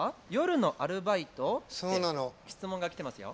質問が来てますよ。